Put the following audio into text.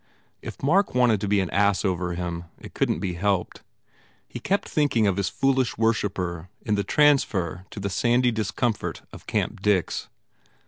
If Mark wanted to be an ass over him, it couldn t be helped. He kept thinking of his foolish worshipper in the transfer to the sandy discomfort of Camp Dix.